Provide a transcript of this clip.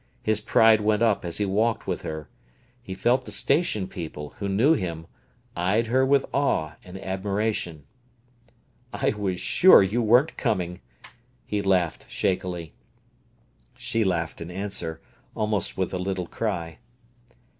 His pride went up as he walked with her. He felt the station people, who knew him, eyed her with awe and admiration. "I was sure you weren't coming," he laughed shakily. She laughed in answer, almost with a little cry.